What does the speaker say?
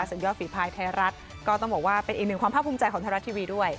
สุดยอดฝีภายไทยรัฐก็ต้องบอกว่าเป็นอีกหนึ่งความภาคภูมิใจของไทยรัฐทีวีด้วย